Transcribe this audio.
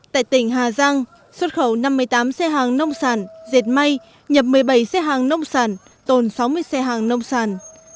tại tỉnh hà giang xuất khẩu năm mươi tám xe hàng nông sản dệt may nhập một mươi bảy xe hàng nông sản tồn sáu mươi xe hàng nông sản